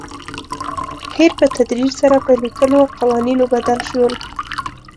هیر په تدریج سره پر لیکلو قوانینو بدل شول.